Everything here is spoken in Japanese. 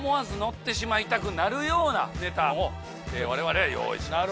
ッてしまいたくなるようなネタをわれわれは用意しました。